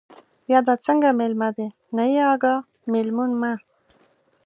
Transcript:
بیا دا څنگه مېلمه دے، نه يې اگاه، مېلمون مه